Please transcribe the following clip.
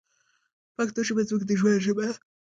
پښتو ژبه زموږ د ژوند ژبه ده.